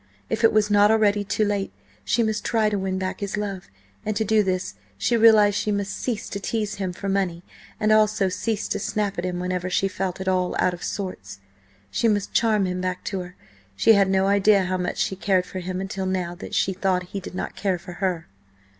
If it was not already too late, she must try to win back his love, and to do this she realised she must cease to tease him for money, and also cease to snap at him whenever she felt at all out of sorts. She must charm him back to her. She had no idea how much she cared for him until now that she thought he did not care for her.